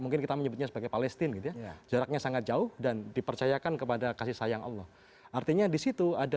kerjaan itu juga seperti itu ya